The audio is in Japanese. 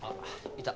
いた。